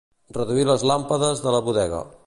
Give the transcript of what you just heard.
Reduir les làmpades de la bodega.